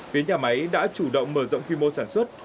phía nhà máy đã chủ động mở rộng quy mô sản xuất